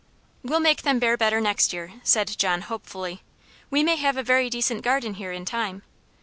"We'll make them bear better next year," said John, hopefully. "We may have a very decent garden here in time."